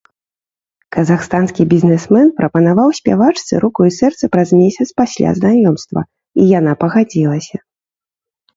Казахстанскі бізнэсмен прапанаваў спявачцы руку і сэрца праз месяц пасля знаёмства і яна пагадзілася.